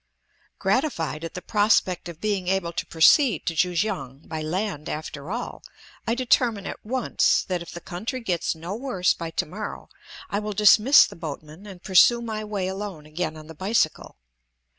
Gratified at the prospect of being able to proceed to Kui kiang by land after all, I determine at once that, if the country gets no worse by to morrow, I will dismiss the boatmen and pursue my way alone again on the bicycle.